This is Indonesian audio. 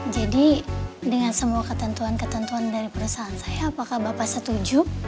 jadi dengan semua ketentuan ketentuan dari perusahaan saya apakah bapak setuju